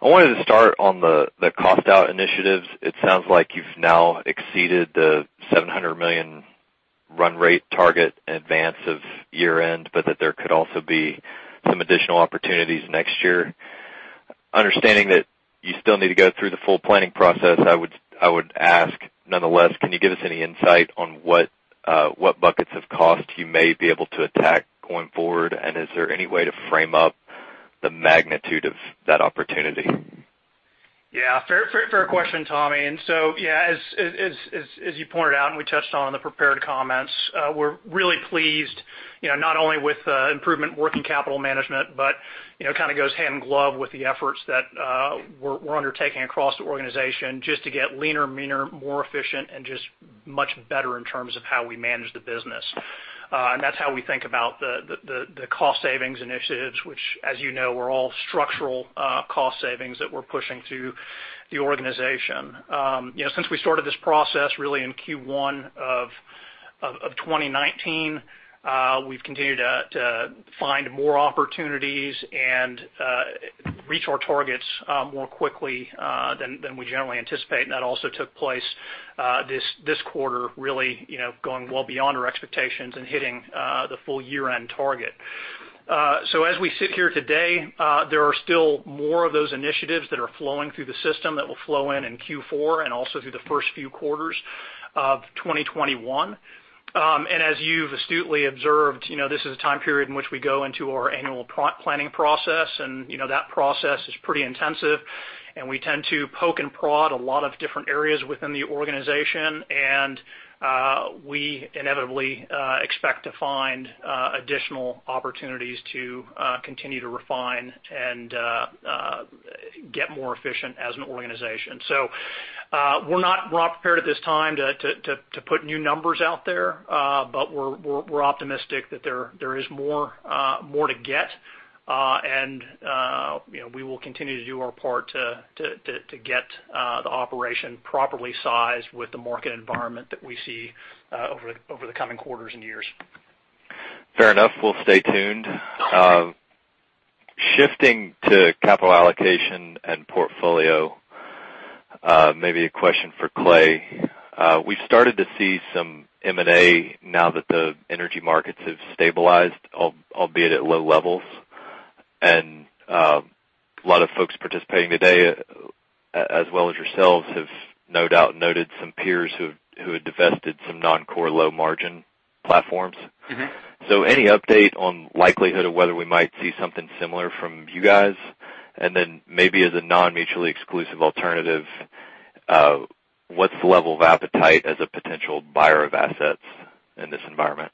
I wanted to start on the cost-out initiatives. It sounds like you've now exceeded the $700 million run rate target in advance of year-end, but that there could also be some additional opportunities next year. Understanding that you still need to go through the full planning process, I would ask, nonetheless, can you give us any insight on what buckets of cost you may be able to attack going forward? Is there any way to frame up the magnitude of that opportunity? Yeah. Fair question, Tommy. As you pointed out and we touched on in the prepared comments, we're really pleased not only with the improvement working capital management, but kind of goes hand in glove with the efforts that we're undertaking across the organization just to get leaner, meaner, more efficient, and just much better in terms of how we manage the business. That's how we think about the cost savings initiatives, which as you know, were all structural cost savings that we're pushing through the organization. Since we started this process really in Q1 of 2019, we've continued to find more opportunities and reach our targets more quickly than we generally anticipate. That also took place this quarter, really going well beyond our expectations and hitting the full year-end target. As we sit here today, there are still more of those initiatives that are flowing through the system that will flow in in Q4 and also through the first few quarters of 2021. As you've astutely observed, this is a time period in which we go into our annual planning process, and that process is pretty intensive, and we tend to poke and prod a lot of different areas within the organization. We inevitably expect to find additional opportunities to continue to refine and get more efficient as an organization. We're not well prepared at this time to put new numbers out there. We're optimistic that there is more to get. We will continue to do our part to get the operation properly sized with the market environment that we see over the coming quarters and years. Fair enough. We'll stay tuned. Great. Shifting to capital allocation and portfolio, maybe a question for Clay. We've started to see some M&A now that the energy markets have stabilized, albeit at low levels. A lot of folks participating today, as well as yourselves, have no doubt noted some peers who have divested some non-core low-margin platforms. Any update on likelihood of whether we might see something similar from you guys? Then maybe as a non-mutually exclusive alternative, what's the level of appetite as a potential buyer of assets in this environment?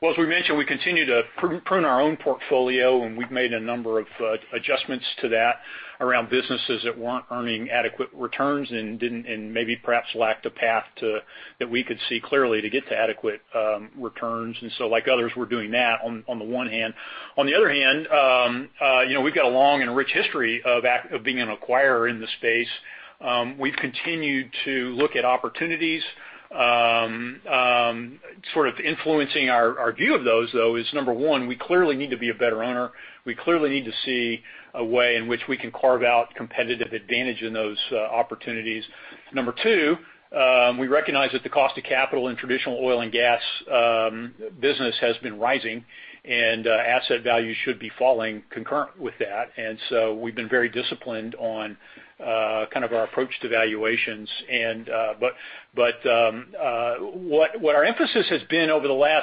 Well, as we mentioned, we continue to prune our own portfolio, and we've made a number of adjustments to that around businesses that weren't earning adequate returns and maybe perhaps lacked a path that we could see clearly to get to adequate returns. Like others, we're doing that on the one hand. On the other hand, we've got a long and rich history of being an acquirer in the space. We've continued to look at opportunities. Sort of influencing our view of those, though, is number 1, we clearly need to be a better owner. We clearly need to see a way in which we can carve out competitive advantage in those opportunities. Number 2, we recognize that the cost of capital in traditional oil and gas business has been rising, and asset value should be falling concurrent with that. We've been very disciplined on kind of our approach to valuations. What our emphasis has been over the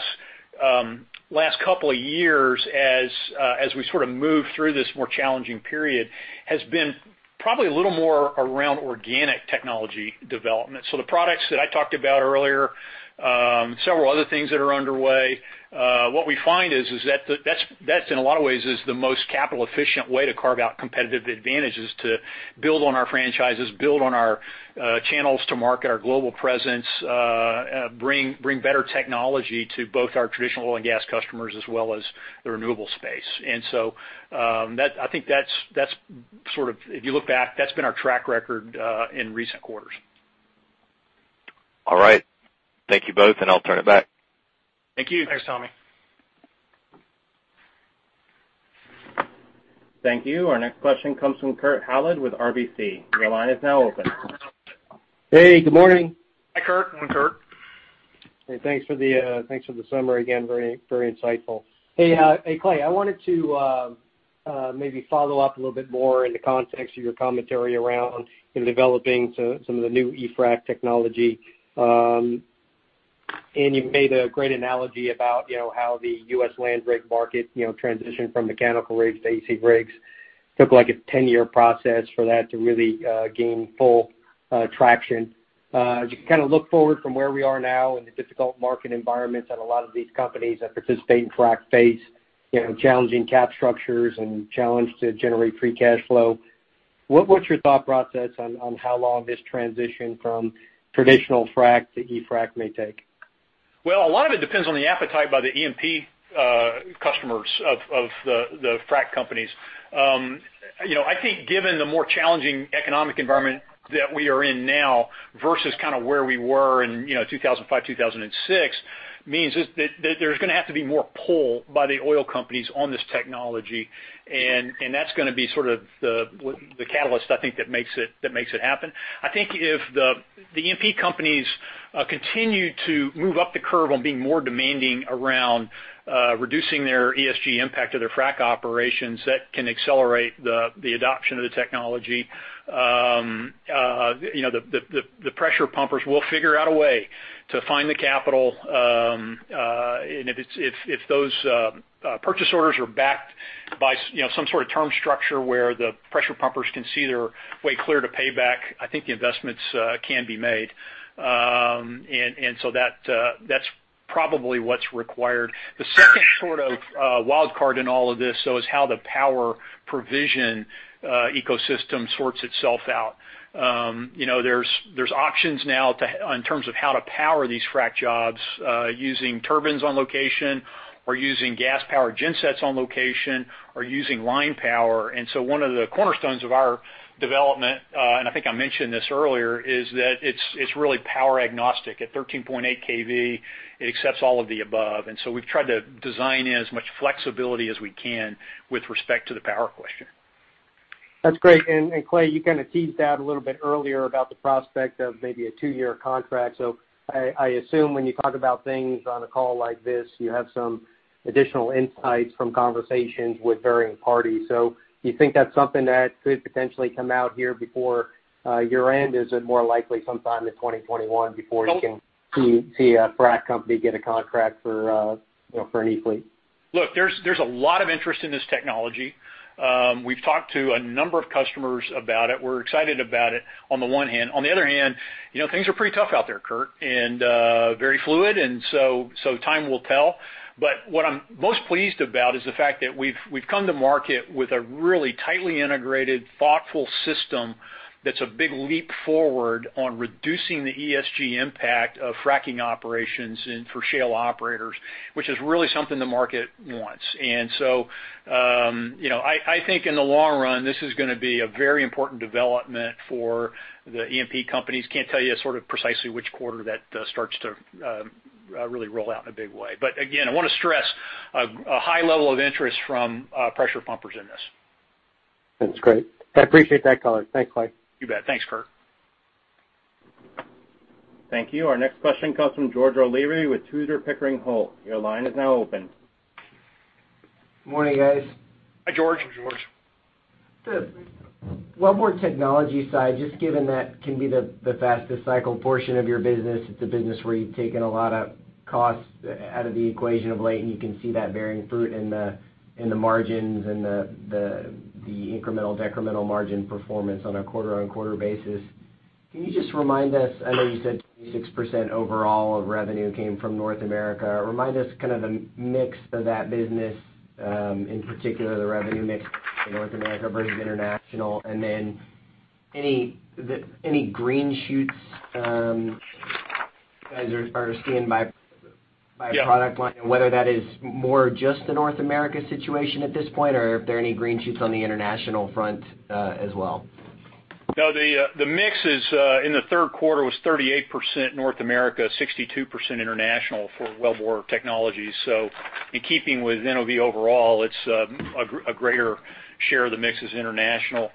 last couple of years as we sort of move through this more challenging period, has been probably a little more around organic technology development. The products that I talked about earlier, several other things that are underway, what we find is that's in a lot of ways is the most capital-efficient way to carve out competitive advantage, is to build on our franchises, build on our channels to market our global presence, bring better technology to both our traditional oil and gas customers as well as the renewable space. I think that's sort of, if you look back, that's been our track record in recent quarters. All right. Thank you both, and I'll turn it back. Thank you. Thanks, Tommy. Thank you. Our next question comes from Kurt Hallead with RBC. Your line is now open. Hey, good morning. Hi, Kurt. Morning, Kurt. Hey, thanks for the summary again. Very insightful. Hey, Clay, I wanted to maybe follow up a little bit more in the context of your commentary around developing some of the new eFrac technology. You made a great analogy about how the U.S. land rig market transitioned from mechanical rigs to AC rigs. Took, like, a 10-year process for that to really gain full traction. As you kind of look forward from where we are now in the difficult market environments and a lot of these companies that participate in frac face challenging cap structures and challenge to generate free cash flow, what's your thought process on how long this transition from traditional frac to eFrac may take? Well, a lot of it depends on the appetite by the E&P customers of the frac companies. I think given the more challenging economic environment that we are in now versus where we were in 2005, 2006, means that there's going to have to be more pull by the oil companies on this technology, and that's going to be the catalyst, I think, that makes it happen. I think if the E&P companies continue to move up the curve on being more demanding around reducing their ESG impact of their frac operations, that can accelerate the adoption of the technology. The pressure pumpers will figure out a way to find the capital, and if those purchase orders are backed by some sort of term structure where the pressure pumpers can see their way clear to payback, I think the investments can be made. That's probably what's required. The second sort of wild card in all of this, though, is how the power provision ecosystem sorts itself out. There's options now in terms of how to power these frac jobs using turbines on location or using gas-powered gensets on location or using line power. One of the cornerstones of our development, and I think I mentioned this earlier, is that it's really power agnostic. At 13.8 kV, it accepts all of the above. We've tried to design in as much flexibility as we can with respect to the power question. That's great. Clay, you kind of teased out a little bit earlier about the prospect of maybe a two-year contract. I assume when you talk about things on a call like this, you have some additional insights from conversations with varying parties. Do you think that's something that could potentially come out here before year-end? Is it more likely sometime in 2021 before you can see a frac company get a contract for an E-fleet? Look, there's a lot of interest in this technology. We've talked to a number of customers about it. We're excited about it, on the one hand. On the other hand, things are pretty tough out there, Kurt, and very fluid, time will tell. What I'm most pleased about is the fact that we've come to market with a really tightly integrated, thoughtful system that's a big leap forward on reducing the ESG impact of fracing operations and for shale operators, which is really something the market wants. I think in the long run, this is going to be a very important development for the E&P companies. Can't tell you sort of precisely which quarter that starts to really roll out in a big way. Again, I want to stress a high level of interest from pressure pumpers in this. That's great. I appreciate that color. Thanks, Clay. You bet. Thanks, Kurt. Thank you. Our next question comes from George O'Leary with Tudor, Pickering, Holt. Your line is now open. Good morning, guys. Hi, George. George. One more technology side, just given that can be the fastest cycle portion of your business. It's a business where you've taken a lot of costs out of the equation of late, and you can see that bearing fruit in the margins and the incremental/decremental margin performance on a quarter-on-quarter basis. Can you just remind us, I know you said 26% overall of revenue came from North America. Remind us kind of the mix of that business, in particular the revenue mix for North America versus international, and then any green shoots you guys are seeing by product line, and whether that is more just the North America situation at this point, or if there are any green shoots on the international front as well? No, the mix in the third quarter was 38% North America, 62% international for Wellbore Technologies. In keeping with NOV overall, a greater share of the mix is international.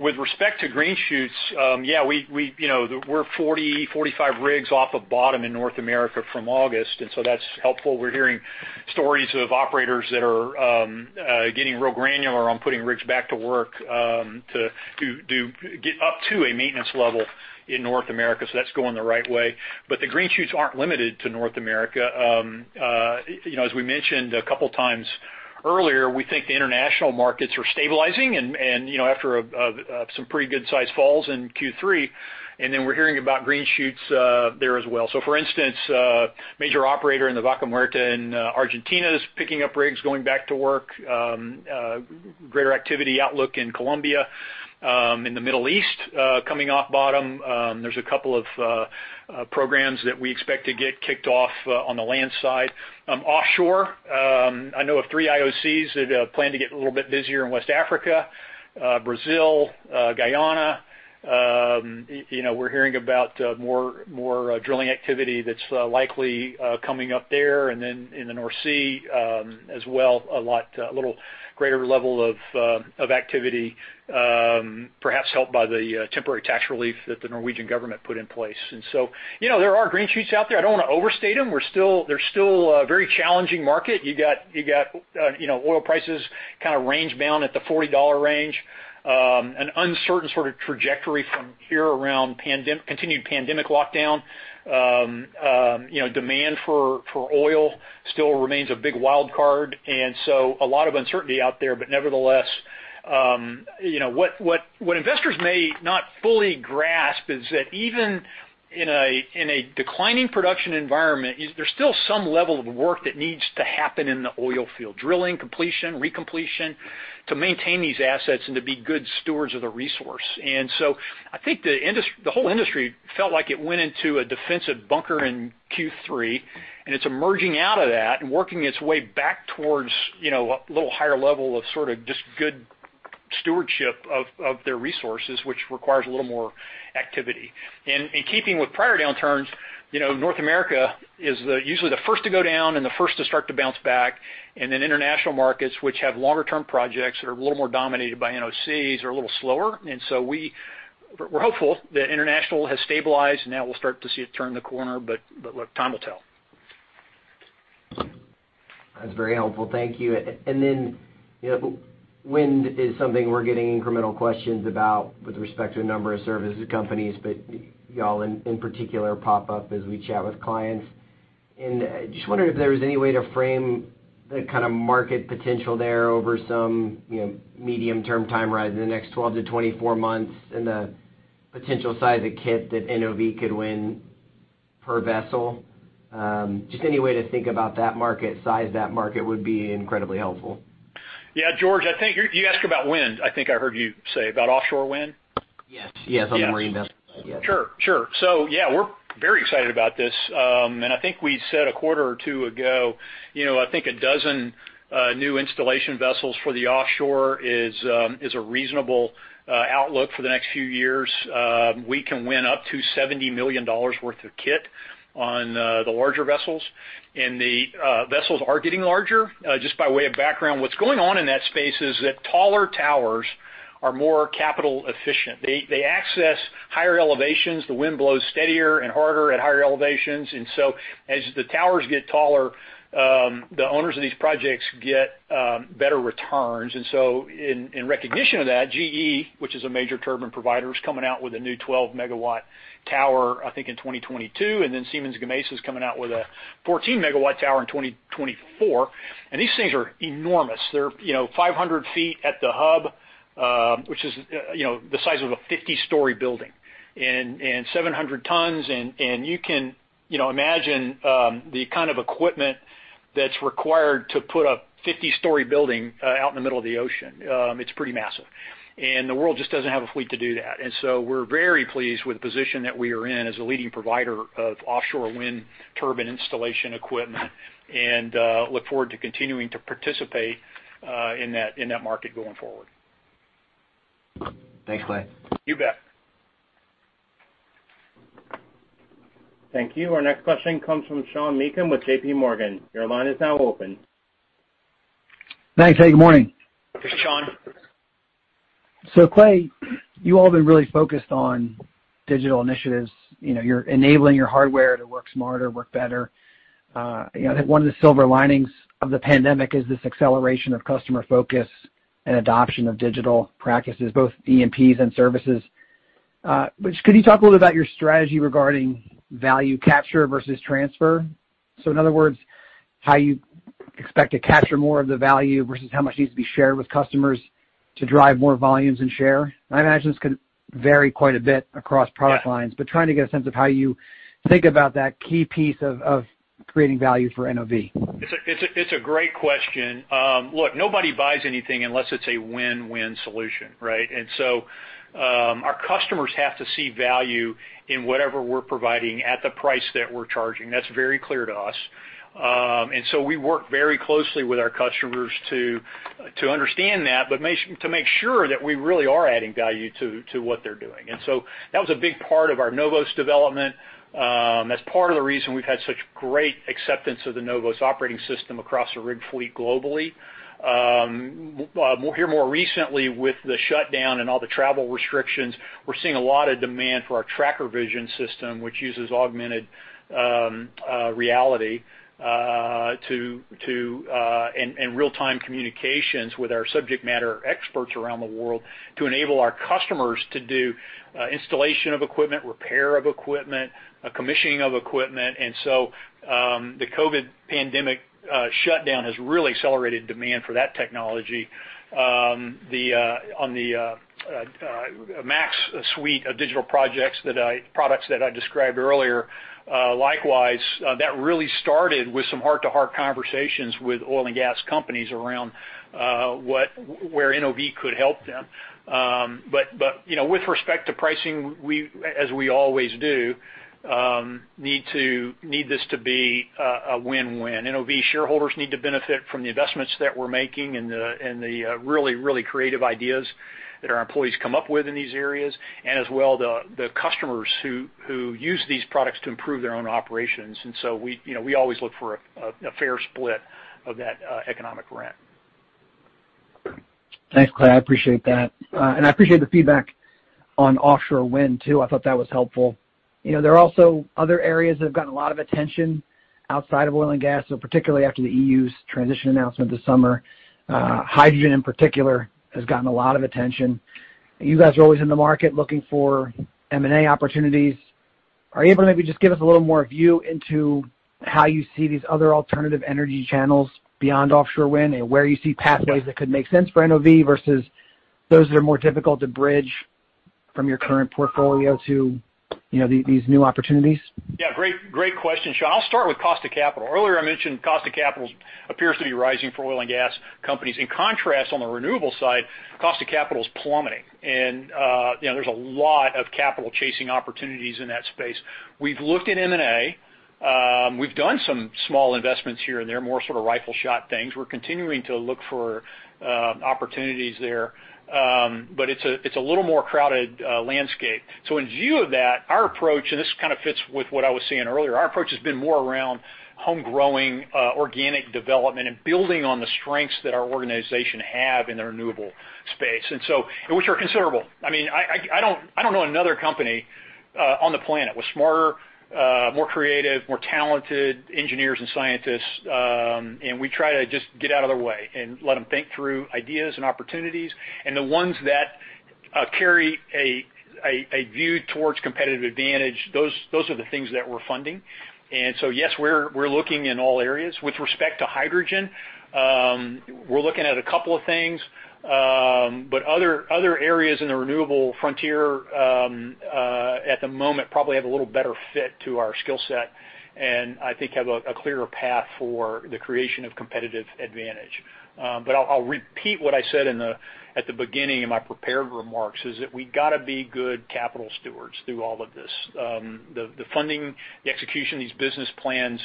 With respect to green shoots, yeah, we're 40, 45 rigs off of bottom in North America from August, that's helpful. We're hearing stories of operators that are getting real granular on putting rigs back to work to get up to a maintenance level in North America, that's going the right way. The green shoots aren't limited to North America. As we mentioned a couple times earlier, we think the international markets are stabilizing and after some pretty good size falls in Q3, we're hearing about green shoots there as well. For instance, a major operator in the Vaca Muerta in Argentina is picking up rigs, going back to work. Greater activity outlook in Colombia. In the Middle East coming off bottom, there's a couple of programs that we expect to get kicked off on the land side. Offshore, I know of three IOCs that plan to get a little bit busier in West Africa, Brazil, Guyana. We're hearing about more drilling activity that's likely coming up there and then in the North Sea as well, a little greater level of activity, perhaps helped by the temporary tax relief that the Norwegian government put in place. There are green shoots out there. I don't want to overstate them. There's still a very challenging market. You got oil prices kind of range bound at the $40 range. An uncertain sort of trajectory from here around continued pandemic lockdown. Demand for oil still remains a big wild card, a lot of uncertainty out there. Nevertheless, what investors may not fully grasp is that even in a declining production environment, there's still some level of work that needs to happen in the oilfield. Drilling, completion, recompletion, to maintain these assets and to be good stewards of the resource. I think the whole industry felt like it went into a defensive bunker in Q3, and it's emerging out of that and working its way back towards a little higher level of sort of just good stewardship of their resources, which requires a little more activity. In keeping with prior downturns, North America is usually the first to go down and the first to start to bounce back. Then international markets, which have longer term projects that are a little more dominated by NOCs, are a little slower. We're hopeful that international has stabilized, and now we'll start to see it turn the corner, look, time will tell. That's very helpful. Thank you. Wind is something we're getting incremental questions about with respect to a number of services companies, you all in particular pop up as we chat with clients. Just wondering if there was any way to frame the kind of market potential there over some medium term time horizon in the next 12 to 24 months and the potential size of kit that NOV could win per vessel. Just any way to think about that market, size of that market would be incredibly helpful. Yeah. George, I think you asked about wind. I think I heard you say about offshore wind? Yes. On the marine vessel side. Yeah. Sure. We're very excited about this. I think we said a quarter or two ago, I think a dozen new installation vessels for the offshore is a reasonable outlook for the next few years. We can win up to $70 million worth of kit on the larger vessels. The vessels are getting larger. Just by way of background, what's going on in that space is that taller towers are more capital efficient. They access higher elevations. The wind blows steadier and harder at higher elevations. As the towers get taller, the owners of these projects get better returns. In recognition of that, GE, which is a major turbine provider, is coming out with a new 12-megawatt tower, I think in 2022. Siemens Gamesa is coming out with a 14-megawatt tower in 2024. These things are enormous. They're 500 feet at the hub, which is the size of a 50-story building, and 700 tons. You can imagine the kind of equipment that's required to put a 50-story building out in the middle of the ocean. It's pretty massive. The world just doesn't have a fleet to do that. We're very pleased with the position that we are in as a leading provider of offshore wind turbine installation equipment, and look forward to continuing to participate in that market going forward. Thanks, Clay. You bet. Thank you. Our next question comes from Sean Meakim with J.P. Morgan. Your line is now open. Thanks. Hey, good morning. Sean. Clay, you all have been really focused on digital initiatives. You're enabling your hardware to work smarter, work better. I think one of the silver linings of the pandemic is this acceleration of customer focus and adoption of digital practices, both E&P and services. Could you talk a little about your strategy regarding value capture versus transfer? In other words, how you expect to capture more of the value versus how much needs to be shared with customers to drive more volumes and share? I imagine this can vary quite a bit across product lines. Yeah. trying to get a sense of how you think about that key piece of creating value for NOV. It's a great question. Look, nobody buys anything unless it's a win-win solution, right? Our customers have to see value in whatever we're providing at the price that we're charging. That's very clear to us. We work very closely with our customers to understand that, but to make sure that we really are adding value to what they're doing. That was a big part of our NOVOS development. That's part of the reason we've had such great acceptance of the NOVOS operating system across the rig fleet globally. Here more recently with the shutdown and all the travel restrictions, we're seeing a lot of demand for our TrackerVision system, which uses augmented reality and real-time communications with our subject matter experts around the world to enable our customers to do installation of equipment, repair of equipment, commissioning of equipment. The COVID pandemic shutdown has really accelerated demand for that technology. On the Max suite of digital products that I described earlier, likewise, that really started with some heart-to-heart conversations with oil and gas companies around where NOV could help them. With respect to pricing, as we always do, need this to be a win-win. NOV shareholders need to benefit from the investments that we're making and the really creative ideas that our employees come up with in these areas, as well, the customers who use these products to improve their own operations. We always look for a fair split of that economic rent. Thanks, Clay. I appreciate that. I appreciate the feedback on offshore wind, too. I thought that was helpful. There are also other areas that have gotten a lot of attention outside of oil and gas, particularly after the EU's transition announcement this summer. Hydrogen, in particular, has gotten a lot of attention. You guys are always in the market looking for M&A opportunities. Are you able to maybe just give us a little more view into how you see these other alternative energy channels beyond offshore wind and where you see pathways that could make sense for NOV versus those that are more difficult to bridge from your current portfolio to these new opportunities? Yeah. Great question, Sean. I'll start with cost of capital. Earlier I mentioned cost of capital appears to be rising for oil and gas companies. In contrast, on the renewable side, cost of capital is plummeting, and there's a lot of capital chasing opportunities in that space. We've looked at M&A. We've done some small investments here and there, more sort of rifle shot things. We're continuing to look for opportunities there. It's a little more crowded landscape. In view of that, our approach, and this kind of fits with what I was saying earlier, our approach has been more around home-growing organic development and building on the strengths that our organization have in the renewable space. Which are considerable. I don't know another company on the planet with smarter, more creative, more talented engineers and scientists. We try to just get out of their way and let them think through ideas and opportunities. The ones that carry a view towards competitive advantage, those are the things that we're funding. Yes, we're looking in all areas. With respect to hydrogen, we're looking at a couple of things. Other areas in the renewable frontier, at the moment, probably have a little better fit to our skill set, and I think have a clearer path for the creation of competitive advantage. I'll repeat what I said at the beginning in my prepared remarks, is that we got to be good capital stewards through all of this. The funding, the execution of these business plans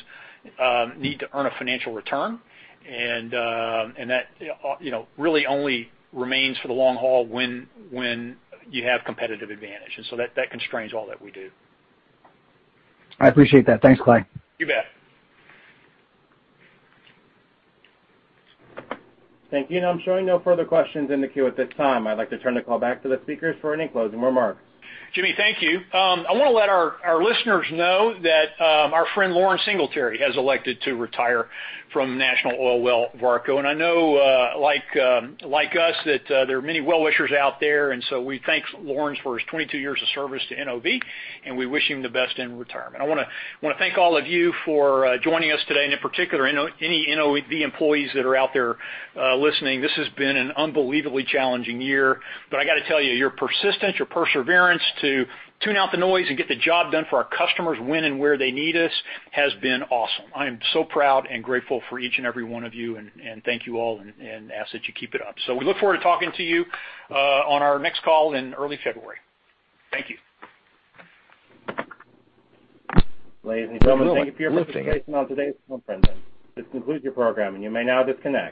need to earn a financial return, and that really only remains for the long haul when you have competitive advantage. That constrains all that we do. I appreciate that. Thanks, Clay. You bet. Thank you. I'm showing no further questions in the queue at this time. I'd like to turn the call back to the speakers for any closing remarks. Jimmy, thank you. I want to let our listeners know that our friend Loren Singletary has elected to retire from National Oilwell Varco. I know, like us, that there are many well-wishers out there. We thank Loren for his 22 years of service to NOV, and we wish him the best in retirement. I want to thank all of you for joining us today, and in particular, any NOV employees that are out there listening. This has been an unbelievably challenging year. I got to tell you, your persistence, your perseverance to tune out the noise and get the job done for our customers when and where they need us has been awesome. I am so proud and grateful for each and every one of you, and thank you all, and ask that you keep it up. We look forward to talking to you on our next call in early February. Thank you. Ladies and gentlemen, thank you for your participation on today's conference. This concludes your program, and you may now disconnect.